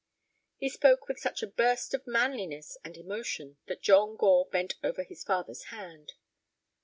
He spoke with such a burst of manliness and emotion that John Gore bent over his father's hand.